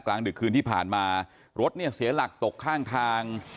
กลางดึกคืนที่ผ่านมารถเนี่ยเสียหลักตกข้างทาง